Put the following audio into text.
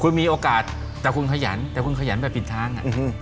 คุณมีโอกาสแต่คุณขยันแต่คุณขยันแบบปิดทาง